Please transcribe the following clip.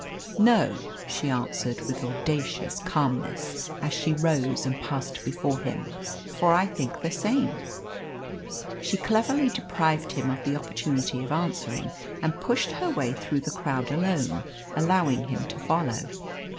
"No," she answered, with audacious calmness, as she rose and passed before him; "for I think the same." She cleverly deprived him of the opportunity of answering, and pushed her way through the crowd alone, allowing him to follow.